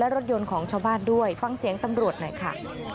รถยนต์ของชาวบ้านด้วยฟังเสียงตำรวจหน่อยค่ะ